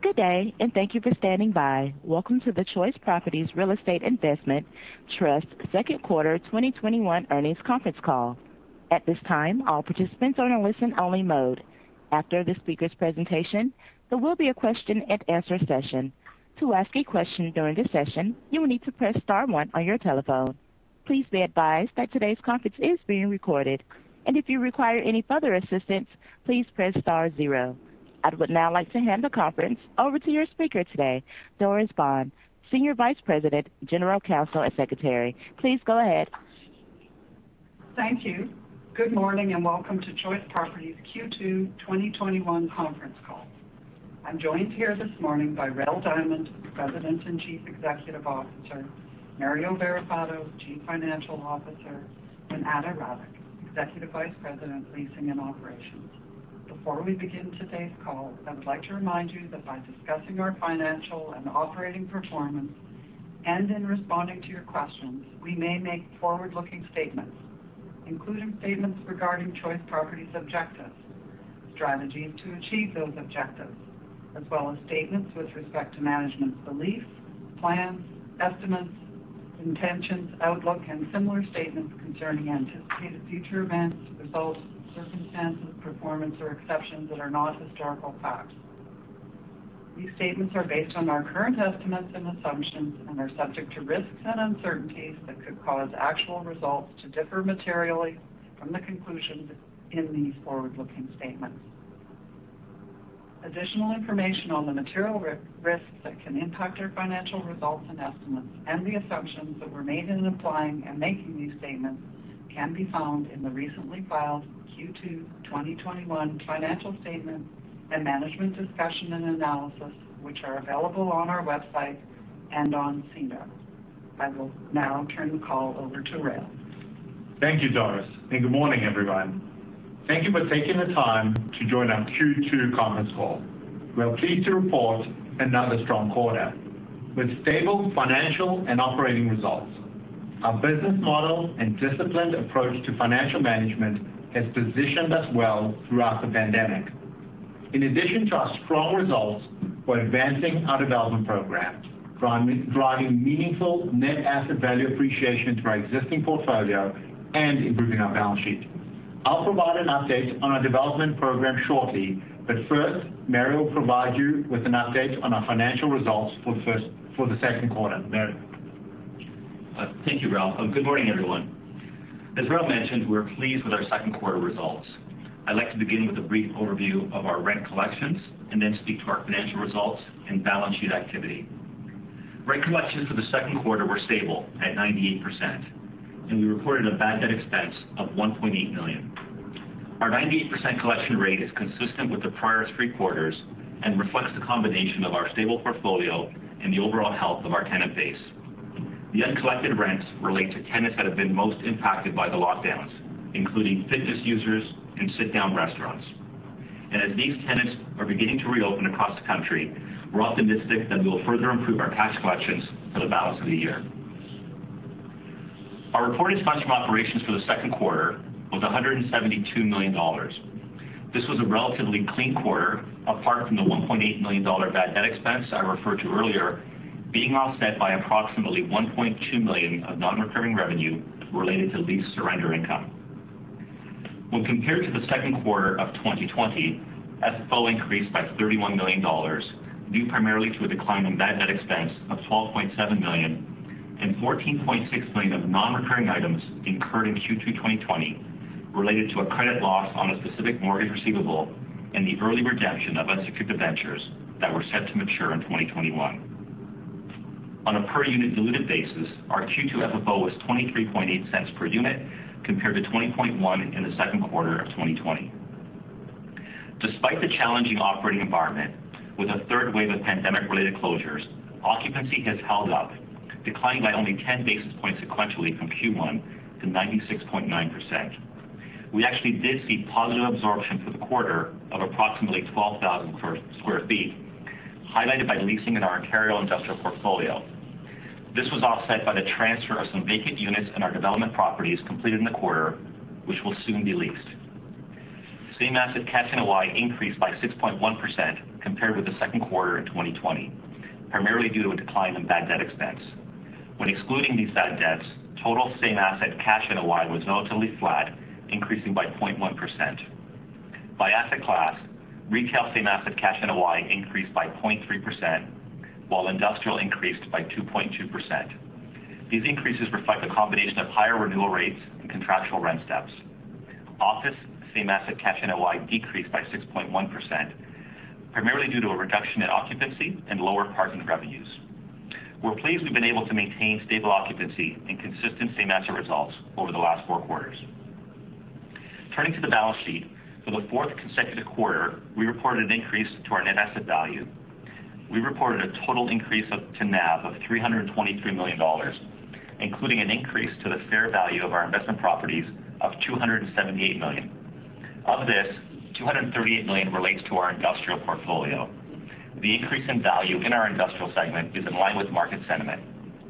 Good day, and thank you for standing by. Welcome to the Choice Properties Real Estate Investment Trust Q2 2021 earnings conference call. I would now like to hand the conference over to your speaker today, Doris Baughan, Senior Vice President, General Counsel, and Secretary. Please go ahead. Thank you. Good morning and welcome to Choice Properties Q2 2021 conference call. I'm joined here this morning by Rael Diamond, President and Chief Executive Officer, Mario Barrafato, Chief Financial Officer, and Ana Radic, Executive Vice President, Leasing and Operations. Before we begin today's call, I would like to remind you that while discussing our financial and operating performance, and in responding to your questions, we may make forward-looking statements, including statements regarding Choice Properties objectives, strategies to achieve those objectives, as well as statements with respect to management's beliefs, plans, estimates, intentions, outlook, and similar statements concerning anticipated future events, results, circumstances, performance, or exceptions that are not historical facts. These statements are based on our current estimates and assumptions and are subject to risks and uncertainties that could cause actual results to differ materially from the conclusions in these forward-looking statements. Additional information on the material risks that can impact our financial results and estimates and the assumptions that were made in applying and making these statements can be found in the recently filed Q2 2021 financial statement and management discussion and analysis, which are available on our website and on SEDAR. I will now turn the call over to Rael. Thank you, Doris. Good morning, everyone. Thank you for taking the time to join our Q2 conference call. We are pleased to report another strong quarter with stable financial and operating results. Our business model and disciplined approach to financial management has positioned us well throughout the pandemic. In addition to our strong results, we're advancing our development program, driving meaningful net asset value appreciation to our existing portfolio and improving our balance sheet. I'll provide an update on our development program shortly, but first, Mario will provide you with an update on our financial results for the Q2. Mario. Thank you, Rael. Good morning, everyone. As Rael mentioned, we're pleased with our Q2 results. I'd like to begin with a brief overview of our rent collections and then speak to our financial results and balance sheet activity. Rent collections for the Q2 were stable at 98%, and we reported a bad debt expense of 1.8 million. Our 98% collection rate is consistent with the prior three quarters and reflects the combination of our stable portfolio and the overall health of our tenant base. As these tenants are beginning to reopen across the country, we're optimistic that we'll further improve our cash collections for the balance of the year. Our reported funds from operations for the Q2 was 172 million dollars. This was a relatively clean quarter apart from the 1.8 million dollar bad debt expense I referred to earlier, being offset by approximately 1.2 million of non-recurring revenue related to lease surrender income. When compared to the Q2 of 2020, FFO increased by 31 million dollars due primarily to a decline in bad debt expense of 12.7 million and 14.6 million of non-recurring items incurred in Q2 2020 related to a credit loss on a specific mortgage receivable and the early redemption of unsecured debentures that were set to mature in 2021. On a per unit diluted basis, our Q2 FFO was 0.238 per unit compared to 0.201 in the Q2 of 2020. Despite the challenging operating environment with a third wave of pandemic-related closures, occupancy has held up, declining by only 10 basis points sequentially from Q1 to 96.9%. We actually did see positive absorption for the quarter of approximately 12,000 sq ft, highlighted by leasing in our Ontario industrial portfolio. This was offset by the transfer of some vacant units in our development properties completed in the quarter, which will soon be leased. Same asset cash NOI increased by 6.1% compared with the Q2 in 2020, primarily due to a decline in bad debt expense. When excluding these bad debts, total same asset cash NOI was relatively flat, increasing by 0.1%. By asset class, retail same asset cash NOI increased by 0.3% while industrial increased by 2.2%. These increases reflect a combination of higher renewal rates and contractual rent steps. Office same asset cash NOI decreased by 6.1%, primarily due to a reduction in occupancy and lower parking revenues. We're pleased we've been able to maintain stable occupancy and consistent same asset results over the last Q4. Turning to the balance sheet. For the fourth consecutive quarter, we reported an increase to our net asset value. We reported a total increase to NAV of 323 million dollars, including an increase to the fair value of our investment properties of 278 million. Of this, 238 million relates to our industrial portfolio. The increase in value in our industrial segment is in line with market sentiment.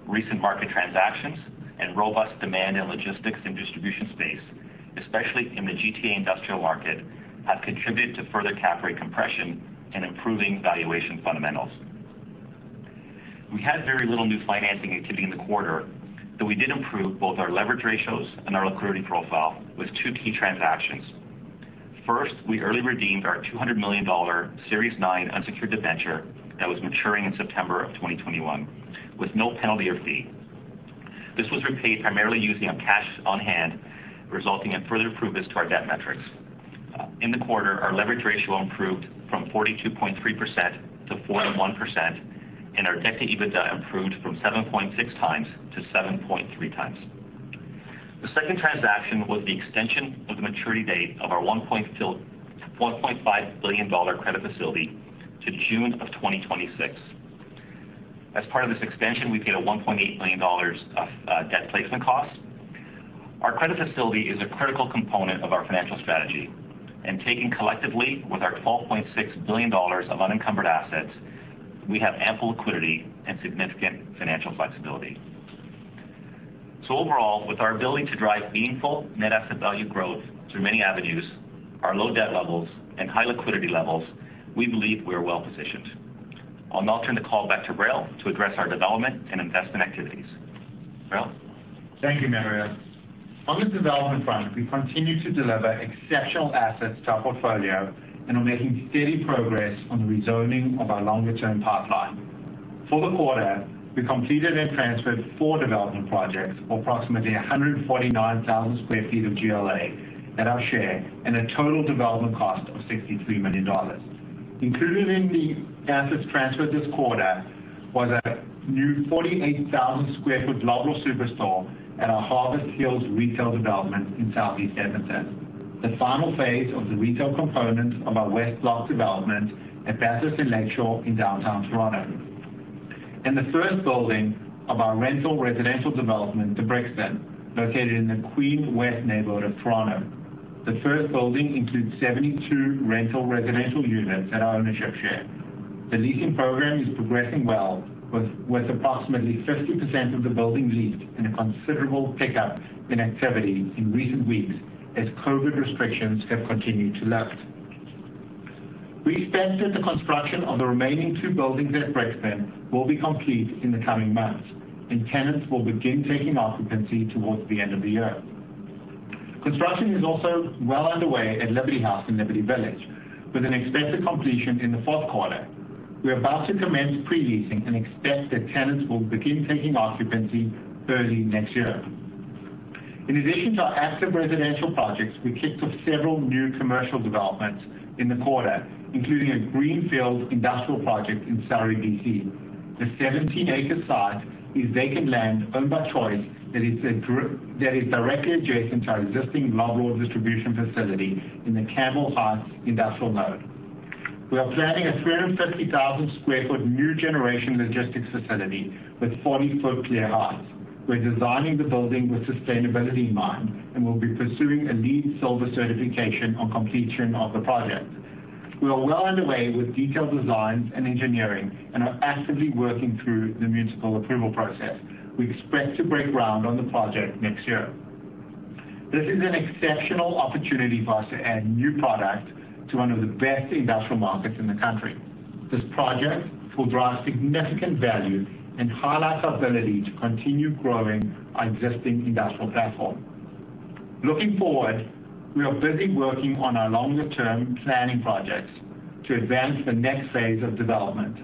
Recent market transactions and robust demand in logistics and distribution space, especially in the GTA industrial market, have contributed to further cap rate compression and improving valuation fundamentals. We had very little new financing activity in the quarter, though we did improve both our leverage ratios and our liquidity profile with two key transactions. First, we early redeemed our 200 million dollar Series nine Unsecured Debenture that was maturing in September of 2021 with no penalty or fee. This was repaid primarily using our cash on hand, resulting in further improvements to our debt metrics. In the quarter, our leverage ratio improved from 42.3% - 41%, and our debt to EBITDA improved from 7.6x - 7.3x The second transaction was the extension of the maturity date of our 1.5 billion dollar credit facility to June of 2026. As part of this extension, we paid a 1.8 million dollars of debt placement costs. Our credit facility is a critical component of our financial strategy, and taken collectively with our 12.6 billion dollars of unencumbered assets, we have ample liquidity and significant financial flexibility. Overall, with our ability to drive meaningful net asset value growth through many avenues, our low debt levels and high liquidity levels, we believe we are well-positioned. I'll now turn the call back to Rael to address our development and investment activities. Rael. Thank you, Mario. On the development front, we continue to deliver exceptional assets to our portfolio and are making steady progress on the rezoning of our longer-term pipeline. For the quarter, we completed and transferred four development projects, approximately 149,000 sq ft of GLA at our share and a total development cost of 63 million dollars. Included in the assets transfer this quarter was a new 48,000 sq ft Loblaws superstore at our Harvest Hills retail development in Southeast Edmonton. The final phase of the retail component of our West Block development at Bathurst and Lakeshore in downtown Toronto, and the first building of our rental residential development, The Brixton, located in the West Queen West neighborhood of Toronto. The first building includes 72 rental residential units at our ownership share. The leasing program is progressing well, with approximately 50% of the building leased and a considerable pickup in activity in recent weeks as COVID restrictions have continued to lift. We expect that the construction of the remaining two buildings at Brixton will be complete in the coming months. Tenants will begin taking occupancy towards the end of the year. Construction is also well underway at Liberty House in Liberty Village, with an expected completion in the Q4. We're about to commence pre-leasing and expect that tenants will begin taking occupancy early next year. In addition to our active residential projects, we kicked off several new commercial developments in the quarter, including a greenfield industrial project in Surrey, B.C. The 17-acre site is vacant land owned by Choice that is directly adjacent to our existing Loblaws distribution facility in the Campbell Heights industrial node. We are planning a 350,000 sq ft new generation logistics facility with 40-foot clear height. We're designing the building with sustainability in mind and will be pursuing a LEED Silver certification on completion of the project. We are well underway with detailed designs and engineering and are actively working through the municipal approval process. We expect to break ground on the project next year. This is an exceptional opportunity for us to add new product to one of the best industrial markets in the country. This project will drive significant value and highlight our ability to continue growing our existing industrial platform. Looking forward, we are busy working on our longer-term planning projects to advance the next phase of development.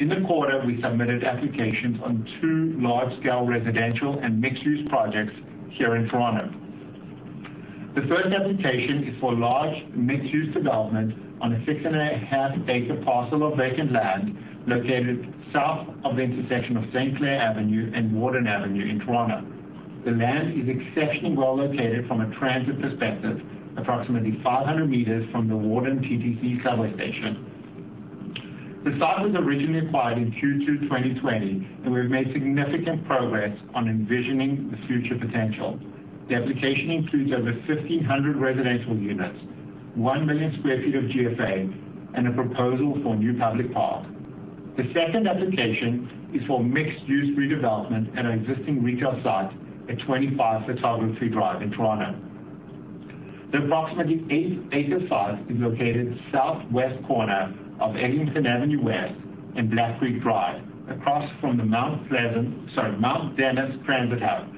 In the quarter, we submitted applications on two large-scale residential and mixed-use projects here in Toronto. The first application is for large mixed-use development on a 6.5 acre parcel of vacant land located south of the intersection of St. Clair Avenue and Warden Avenue in Toronto. The land is exceptionally well located from a transit perspective, approximately 500 meters from the Warden TTC subway station. The site was originally acquired in Q2 2020. We've made significant progress on envisioning its future potential. The application includes over 1,500 residential units, 1 million square feet of GFA, and a proposal for a new public park. The second application is for mixed-use redevelopment at an existing retail site at 25 Centennial Tree Drive in Toronto. The approximately eight-acre site is located southwest corner of Eglinton Avenue West and Black Creek Drive, across from the Mount Pleasant, sorry, Mount Dennis transit hub,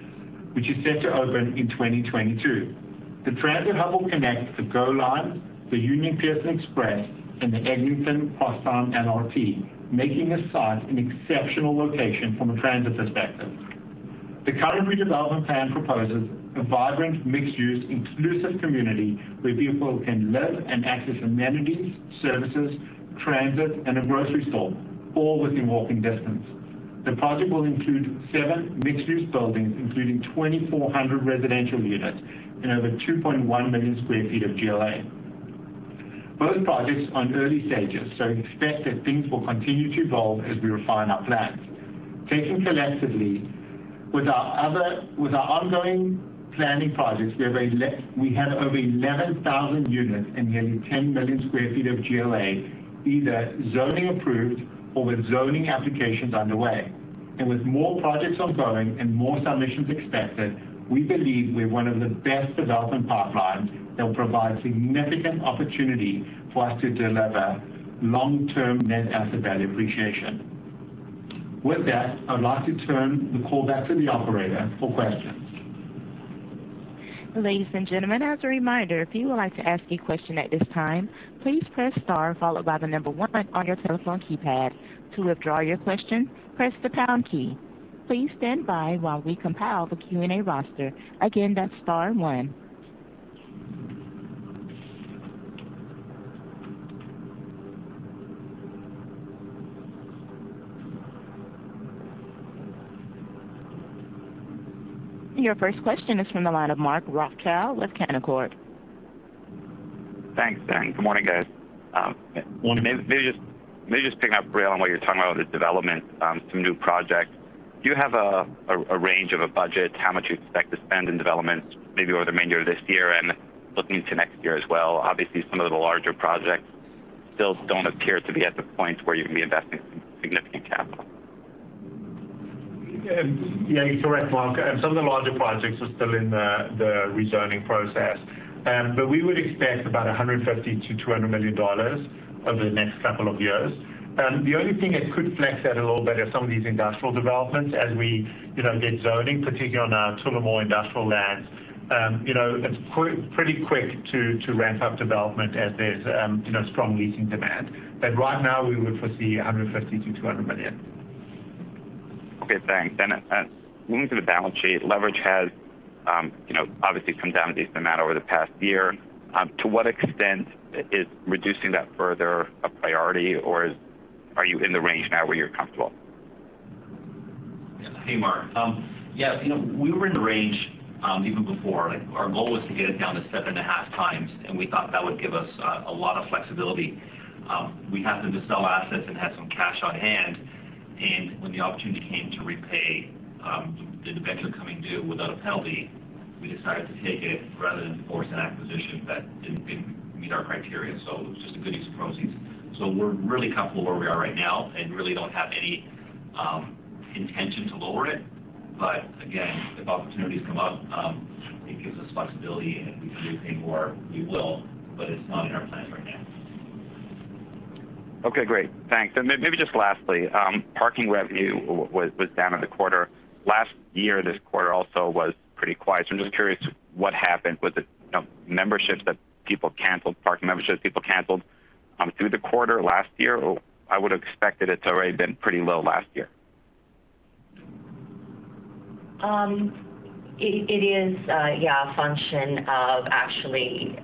which is set to open in 2022. The transit hub will connect the GO line, the Union Pearson Express, and the Eglinton Crosstown LRT, making the site an exceptional location from a transit perspective. The current redevelopment plan proposes a vibrant mixed-use, inclusive community where people can live and access amenities, services, transit, and a grocery store all within walking distance. The project will include seven mixed-use buildings, including 2,400 residential units and over 2.1 million sq ft of GLA. Both projects are in early stages. Expect that things will continue to evolve as we refine our plans. With our ongoing planning projects, we have over 11,000 units and nearly 10 million sq ft of GFA, either zoning approved or with zoning applications underway. With more projects ongoing and more submissions expected, we believe we have one of the best development pipelines that will provide significant opportunity for us to deliver long-term net asset value appreciation. With that, I would like to turn the call back to the operator for questions. Your first question is from the line of Mark Rothschild with Canaccord Genuity. Thanks. Good morning, guys. Morning. Maybe just picking up, Rael, what you're talking about with the development, some new projects. Do you have a range of a budget, how much you expect to spend in developments maybe over the remainder of this year and looking into next year as well? Some of the larger projects still don't appear to be at the point where you're going to be investing significant capital. Yeah, you're correct, Mark. We would expect about 150 million-200 million dollars over the next couple of years. The only thing that could flex that a little bit is some of these industrial developments as we get zoning, particularly on our Tullamore industrial lands. It's pretty quick to ramp up development as there's strong leasing demand. Right now, we would foresee 150 million-200 million. Okay, thanks. Moving to the balance sheet, leverage has obviously come down a decent amount over the past year. To what extent is reducing that further a priority, or are you in the range now where you're comfortable? Hey, Mark. Yeah, we were in the range, even before. Our goal was to get it down to 7.5x, We thought that would give us a lot of flexibility. We happened to sell assets and had some cash on hand, When the opportunity came to repay the debenture coming due without a penalty, we decided to take it rather than force an acquisition that didn't meet our criteria. It was just a good use of proceeds. We're really comfortable where we are right now and really don't have any intention to lower it. Again, if opportunities come up, it gives us flexibility, If we can repay more, we will, but it's not in our plans right now. Okay, great. Thanks. Maybe just lastly, parking revenue was down in the quarter. Last year, this quarter also was pretty quiet. I am just curious what happened. Was it memberships that people canceled, parking memberships people canceled through the quarter last year? I would expect that it has already been pretty low last year. It is, yeah, a function of actually.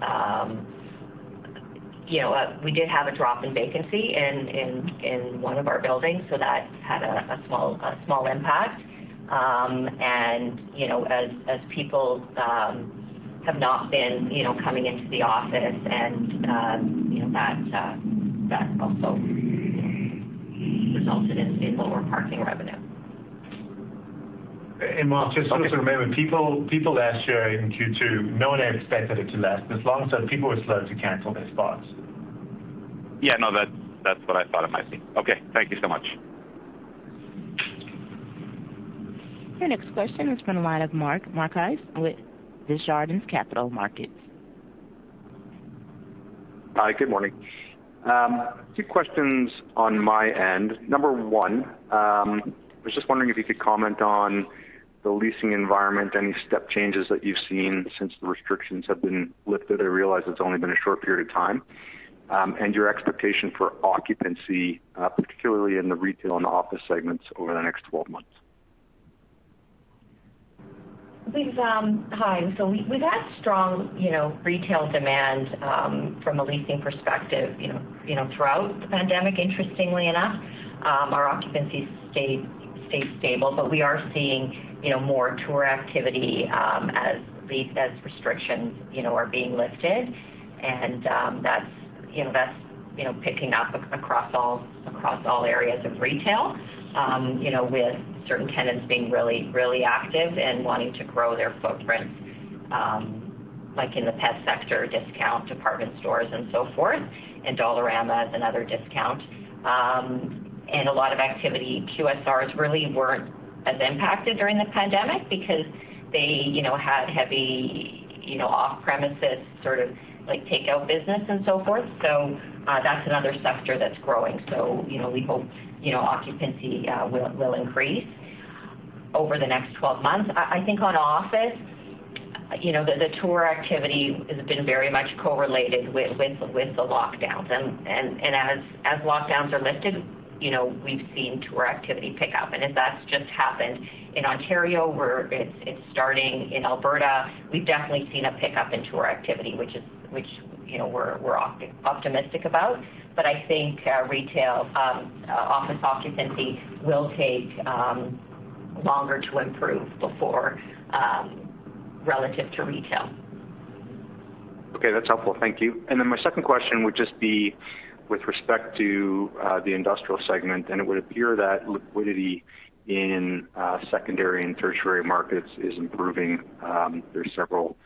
We did have a drop in vacancy in one of our buildings, so that had a small impact. As people have not been coming into the office, and that also resulted in lower parking revenue. Mark, just so you remember, people last year in Q2, no one expected it to last this long, so people were slow to cancel their spots. Yeah, no, that's what I thought it might be. Okay. Thank you so much. Your next question is from the line of Michael Markidis with Desjardins Capital Markets. Hi, good morning. Two questions on my end. Number one, I was just wondering if you could comment on the leasing environment, any step changes that you've seen since the restrictions have been lifted. I realize it's only been a short period of time. Your expectation for occupancy, particularly in the retail and office segments over the next 12 months. Hi. We've had strong retail demand from a leasing perspective throughout the pandemic, interestingly enough. Our occupancy stayed stable. We are seeing more tour activity as restrictions are being lifted. That's picking up across all areas of retail with certain tenants being really active and wanting to grow their footprint, like in the pet sector, discount department stores and so forth. Dollarama is another discount. A lot of activity. QSRs really weren't as impacted during the pandemic because they had heavy off-premises sort of takeout business and so forth. That's another sector that's growing. We hope occupancy will increase over the next 12 months. I think on office, the tour activity has been very much correlated with the lockdowns. As lockdowns are lifted, we've seen tour activity pick up. That's just happened in Ontario, where it's starting in Alberta. We've definitely seen a pickup in tour activity, which we're optimistic about. I think office occupancy will take longer to improve before relative to retail. Okay, that's helpful. Thank you. My second question would just be with respect to the industrial segment, and it would appear that liquidity in secondary and tertiary markets is improving. There's several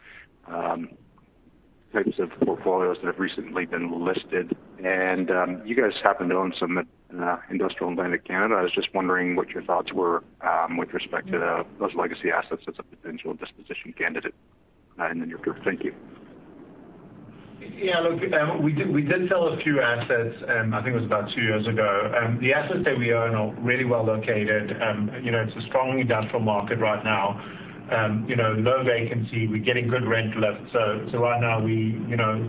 types of portfolios that have recently been listed, and you guys happen to own some industrial in Canada. I was just wondering what your thoughts were with respect to those legacy assets as a potential disposition candidate. You're good. Thank you. Yeah, look, we did sell a few assets, I think it was about two years ago. The assets that we own are really well located. It's a strong industrial market right now. Low vacancy. We're getting good rent lifts. Right now we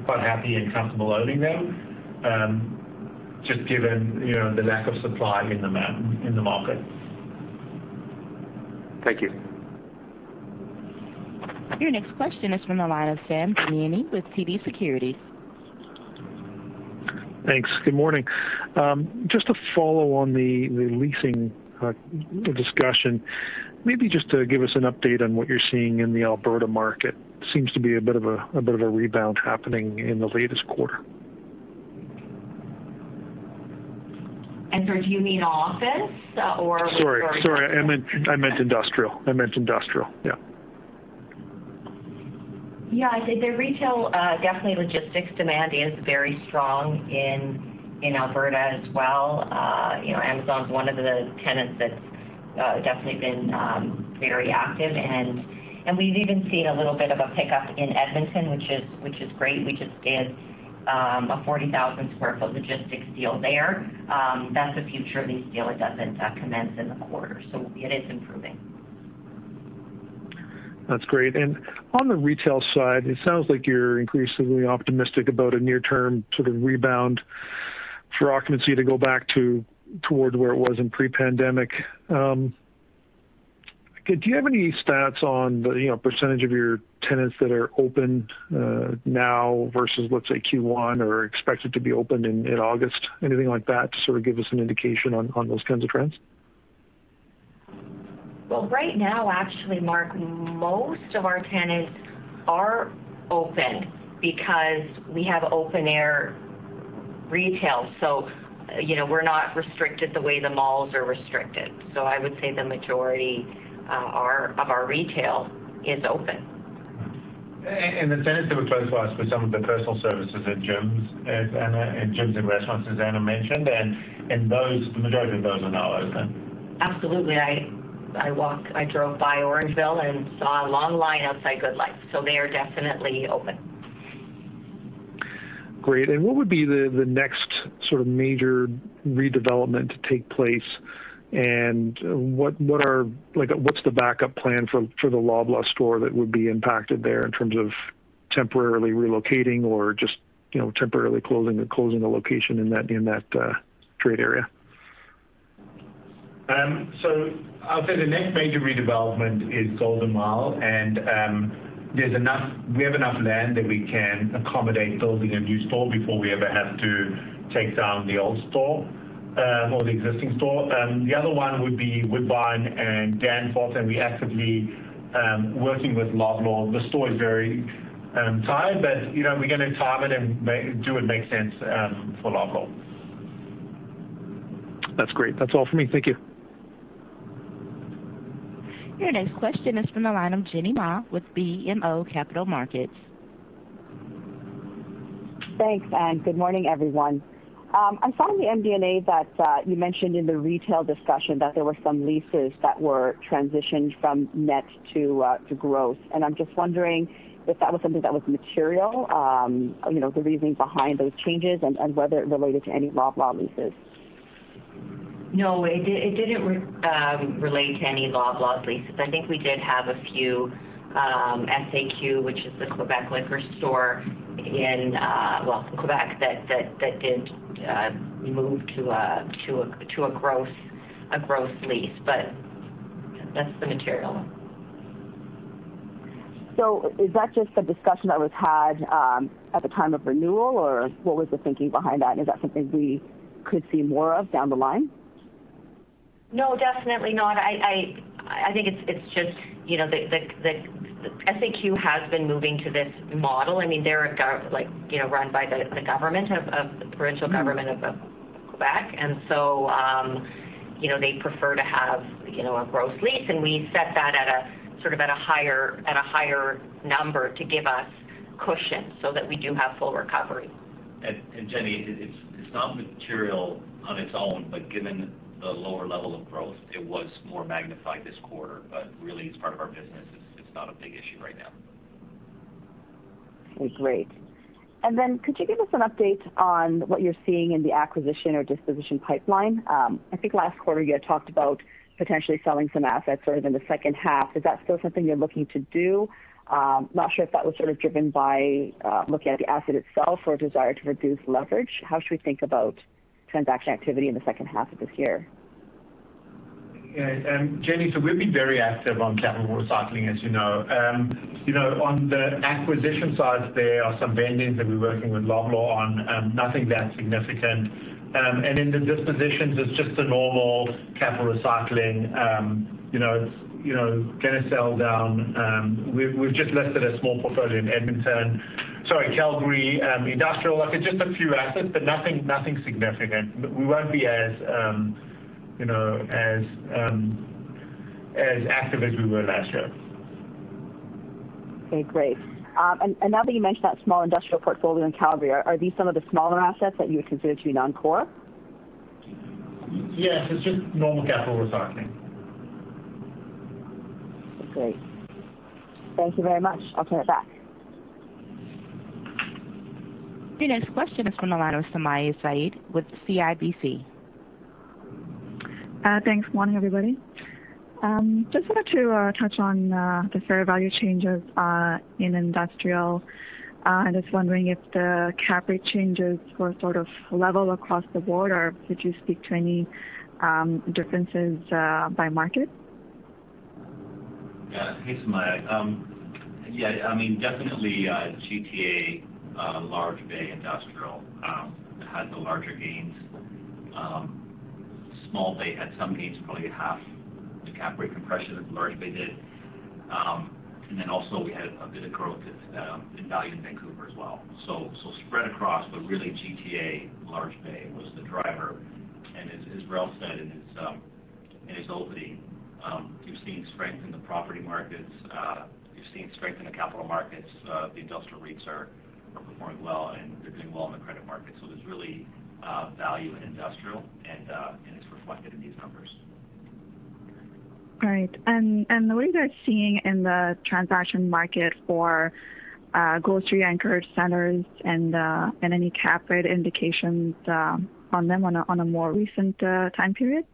quite happy and comfortable owning them, just given the lack of supply in the market. Thank you. Your next question is from the line of Sam Damiani with TD Securities. Thanks. Good morning. Just to follow on the leasing discussion, maybe just to give us an update on what you're seeing in the Alberta market? Seems to be a bit of a rebound happening in the latest quarter. Do you mean office or- Sorry, I meant industrial. Yeah. Yeah. I think the retail, definitely logistics demand is very strong in Alberta as well. Amazon's one of the tenants that's definitely been very active, and we've even seen a little bit of a pickup in Edmonton, which is great. We just did a 40,000 sq ft logistics deal there. That's a future lease deal. It doesn't commence in the quarter. It is improving. That's great. On the retail side, it sounds like you're increasingly optimistic about a near-term sort of rebound for occupancy to go back toward where it was in pre-pandemic. Do you have any stats on the percentage of your tenants that are open now versus, let's say, Q1 or expected to be opened in August, anything like that to sort of give us an indication on those kinds of trends? Well, right now, actually, Mark, most of our tenants are open because we have open air retail, so we're not restricted the way the malls are restricted. I would say the majority of our retail is open. The tenants that were closed for us were some of the personal services and gyms and restaurants, as Ana mentioned, and the majority of those are now open. Absolutely. I drove by Orangeville and saw a long line outside GoodLife. They are definitely open. Great. What would be the next sort of major redevelopment to take place? What's the backup plan for the Loblaws store that would be impacted there in terms of temporarily relocating or just temporarily closing the location in that trade area? I'll say the next major redevelopment is Golden Mile. We have enough land that we can accommodate building a new store before we ever have to take down the old store, or the existing store. The other one would be Woodbine and Danforth. We actively working with Loblaw. The store is very tight. We're going to time it and do what makes sense for Loblaw. That's great. That's all for me. Thank you. Your next question is from the line of Jenny Ma with BMO Capital Markets. Thanks, Ana. Good morning, everyone. I'm following the MD&A that you mentioned in the retail discussion that there were some leases that were transitioned from net to growth. I'm just wondering if that was something that was material, the reasoning behind those changes and whether it related to any Loblaws leases. No, it didn't relate to any Loblaws leases. I think we did have a few SAQ, which is the Quebec liquor store in, well, Quebec that did move to a gross lease, but that's the material. Is that just a discussion that was had at the time of renewal, or what was the thinking behind that? Is that something we could see more of down the line? No, definitely not. I think it's just the SAQ has been moving to this model. They're run by the provincial government of Quebec, and so they prefer to have a gross lease, and we set that at a sort of at a higher number to give us cushion so that we do have full recovery. Jenny, it's not material on its own, but given the lower level of growth, it was more magnified this quarter, but really it's part of our business. It's not a big issue right now. Okay, great. Could you give us an update on what you're seeing in the acquisition or disposition pipeline? I think last quarter you had talked about potentially selling some assets sort of in the second half. Is that still something you're looking to do? I'm not sure if that was sort of driven by looking at the asset itself or a desire to reduce leverage. How should we think about transaction activity in the second half of this year? Yeah. Jenny, we've been very active on capital recycling, as you know. On the acquisition side, there are some vendors that we're working with Loblaw on. Nothing that significant. In the dispositions, it's just the normal capital recycling. It's going to settle down. We've just listed a small portfolio in Edmonton. Sorry, Calgary industrial. Look, it's just a few assets, but nothing significant. We won't be as active as we were last year. Okay, great. Now that you mention that small industrial portfolio in Calgary, are these some of the smaller assets that you would consider to be non-core? Yes. It's just normal capital recycling. Okay. Thank you very much. I'll turn it back. Our next question is from the line of Sumayya Syed with CIBC. Thanks. Morning, everybody. Just wanted to touch on the fair value changes in industrial. I'm just wondering if the cap rate changes were sort of level across the board, or could you speak to any differences by market? Thanks, Sumayya. Definitely GTA Large Bay Industrial had the larger gains. Small Bay had some gains, probably half the cap rate compression as Large Bay did. Also we had a bit of growth in value in Vancouver as well. Spread across, but really GTA Large Bay was the driver. As Rael said in his opening, you're seeing strength in the property markets. You're seeing strength in the capital markets. The industrial REITs are performing well, and they're doing well in the credit markets. There's really value in industrial, and it's reflected in these numbers. All right. The way you guys are seeing in the transaction market for grocery-anchored centers and any cap rate indications on them on a more recent time period?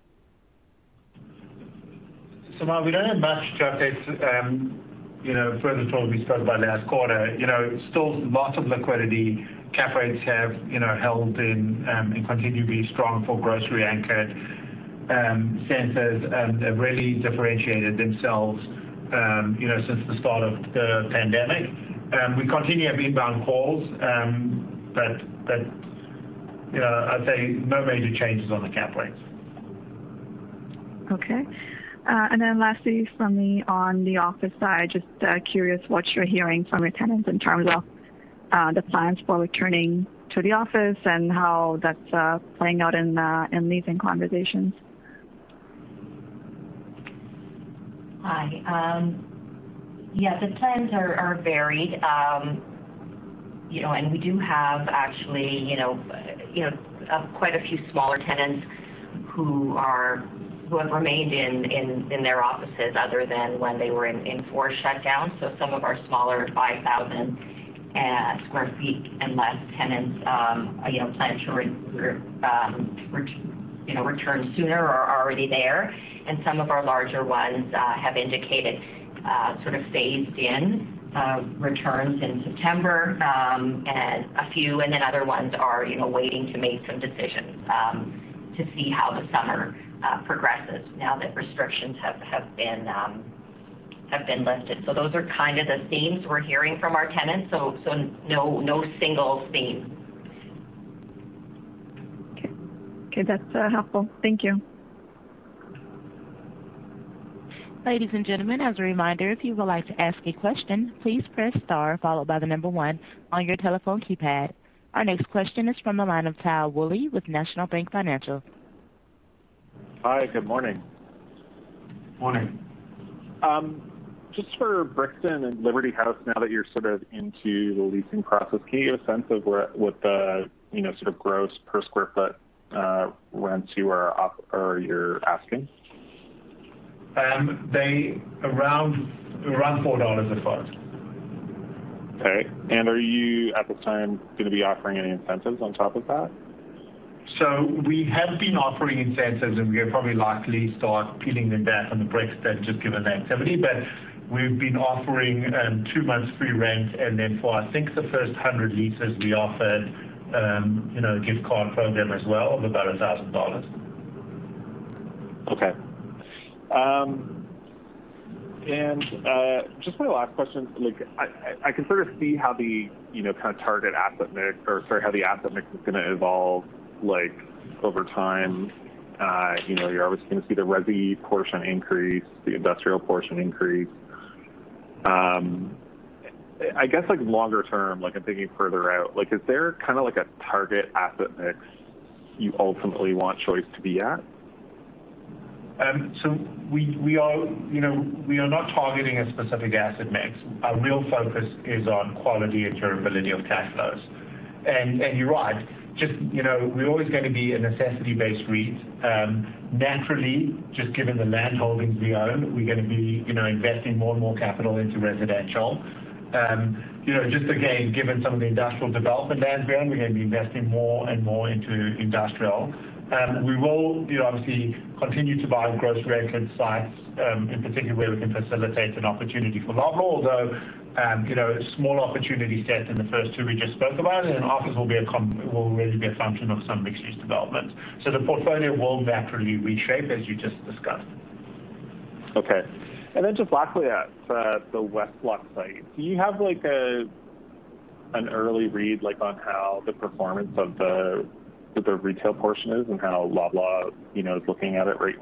Sumayya Syed, we don't have much to update further to what we spoke about last quarter. Still lots of liquidity. Cap rates have held and continue to be strong for grocery-anchored centers, and have really differentiated themselves since the start of the pandemic. We continue to have inbound calls, but I'd say no major changes on the cap rates. Okay. Lastly from me on the office side, just curious what you're hearing from your tenants in terms of the plans for returning to the office and how that's playing out in leasing conversations? Hi. Yeah, the plans are varied. We do have actually quite a few smaller tenants who have remained in their offices other than when they were in forced shutdown. Some of our smaller 5,000 square feet and less tenants plan to return sooner or are already there. Some of our larger ones have indicated sort of phased in returns in September, and a few and then other ones are waiting to make some decisions to see how the summer progresses now that restrictions have been lifted. Those are kind of the themes we are hearing from our tenants. No single theme. Okay. That's helpful. Thank you. Ladies and gentlemen, as a reminder, if you would like to ask a question, please press star followed by the number one on your telephone keypad. Our next question is from the line of Tal Woolley with National Bank Financial. Hi. Good morning. Morning. Just for Brixton and Liberty House, now that you're sort of into the leasing process, can you give a sense of what the sort of gross per square foot rents you're asking? Around 4 dollars a foot. Okay. Are you at this time going to be offering any incentives on top of that? We have been offering incentives, and we are probably likely start peeling them back on The Brixton just given the activity. We've been offering two months free rent, and then for I think the first 100 leases, we offered a gift card program as well of about 1,000 dollars. Okay. Just my last question. I can sort of see how the kind of target asset mix or, sorry, how the asset mix is going to evolve over time. You're obviously going to see the resi portion increase, the industrial portion increase. I guess longer term, I'm thinking further out, is there kind of a target asset mix you ultimately want Choice to be at? We are not targeting a specific asset mix. Our real focus is on quality and durability of cash flows. You are right. We're always going to be a necessity-based REIT. Naturally, just given the land holdings we own, we're going to be investing more and more capital into residential. Just again, given some of the industrial development land grab, we're going to be investing more and more into industrial. We will obviously continue to buy grocery-anchored sites in particular where we can facilitate an opportunity for Loblaw, although a small opportunity set in the first two we just spoke about. Office will really be a function of some mixed-use development. The portfolio will naturally reshape, as you just discussed. Just lastly, the West Block site. Do you have an early read on how the performance of the retail portion is and how Loblaw is looking at it right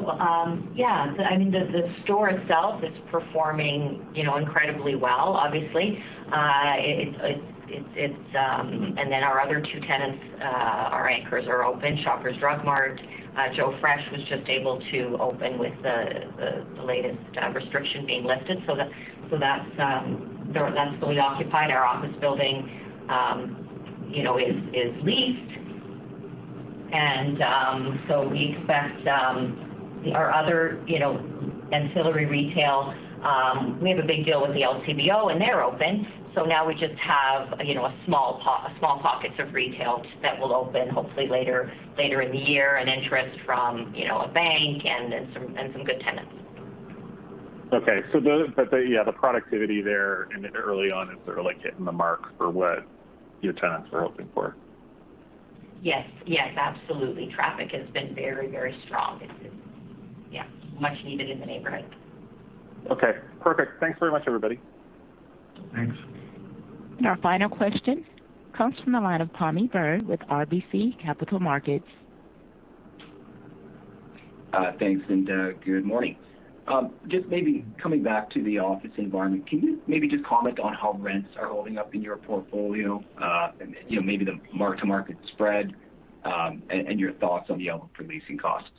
now? Yeah. The store itself is performing incredibly well, obviously. Our other two tenants, our anchors are open, Shoppers Drug Mart. Joe Fresh was just able to open with the latest restriction being lifted. That's fully occupied. Our office building is leased. We expect our other ancillary retail. We have a big deal with the LCBO, and they're open. Now we just have small pockets of retail that will open hopefully later in the year, an interest from a bank and some good tenants. Yeah, the productivity there early on is sort of hitting the mark for what your tenants are looking for. Yes, absolutely. Traffic has been very strong. Yeah. Much needed in the neighborhood. Okay, perfect. Thanks very much, everybody. Thanks. Our final question comes from the line of Pammi Bir with RBC Capital Markets. Thanks. Good morning. Just maybe coming back to the office environment, can you maybe just comment on how rents are holding up in your portfolio, and maybe the mark-to-market spread, and your thoughts on the outlook for leasing costs?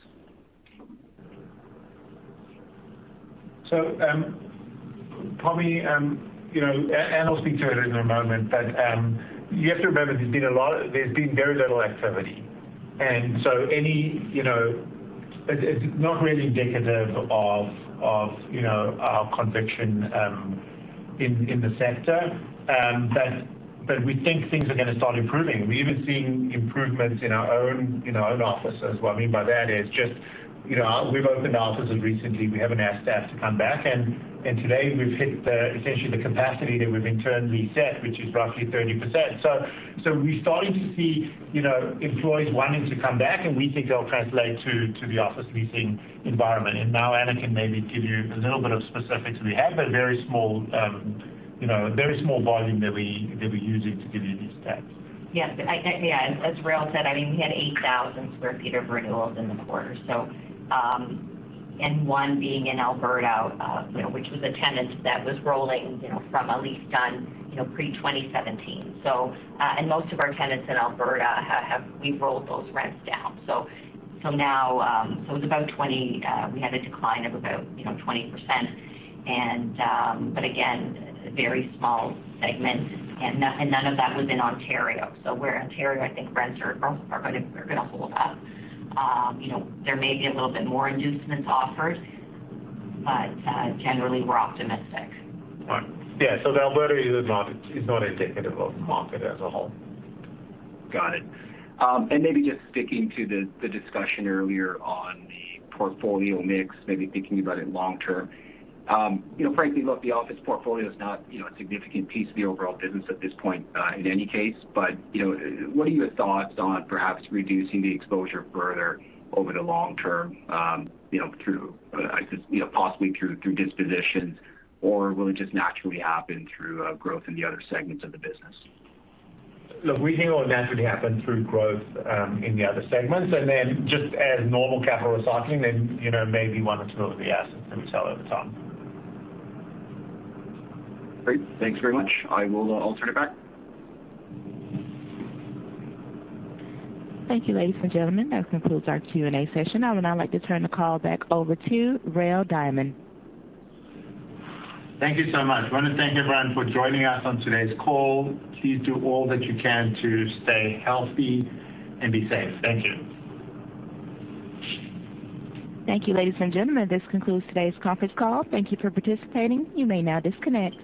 Pammi, Anne will speak to it in a moment, but you have to remember, there's been very little activity. It's not really indicative of our conviction in the sector. We think things are going to start improving. We're even seeing improvements in our own offices. What I mean by that is just we've opened the offices recently. We haven't asked staff to come back, and today we've hit essentially the capacity that we've internally set, which is roughly 30%. We're starting to see employees wanting to come back, and we think it'll translate to the office leasing environment. Now Anne can maybe give you a little bit of specifics. We have a very small volume that we're using to give you these stats. Yeah. As Rael said, we had 8,000 sq ft of renewals in the quarter. One being in Alberta, which was a tenant that was rolling from a lease done pre-2017. Most of our tenants in Alberta, we've rolled those rents down. We had a decline of about 20%. Again, a very small segment, none of that was in Ontario. Where Ontario, I think rents are going to hold up. There may be a little bit more inducements offered, generally, we're optimistic. Right. Yeah. The Alberta is not indicative of the market as a whole. Got it. Maybe just sticking to the discussion earlier on the portfolio mix, maybe thinking about it long term. Frankly, look, the office portfolio is not a significant piece of the overall business at this point in any case. What are your thoughts on perhaps reducing the exposure further over the long term possibly through dispositions, or will it just naturally happen through growth in the other segments of the business? Look, we think it will naturally happen through growth in the other segments. Just as normal capital recycling, then maybe one or two of the assets that we sell over time. Great. Thanks very much. I will turn it back. Thank you, ladies and gentlemen. That concludes our Q&A session. I would now like to turn the call back over to Rael Diamond. Thank you so much. I want to thank everyone for joining us on today's call. Please do all that you can to stay healthy and be safe. Thank you. Thank you, ladies and gentlemen. This concludes today's conference call. Thank you for participating. You may now disconnect.